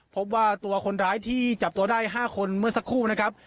พบว่าตัวคนร้ายที่จับตัวได้๕คนเมื่อสักครู่นะครับ